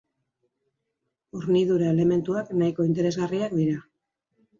Hornidura elementuak nahiko interesgarriak dira.